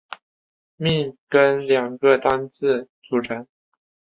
命根两个单字组成。